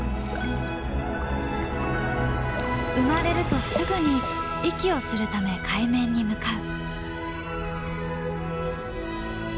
生まれるとすぐに息をするため海面に向かう。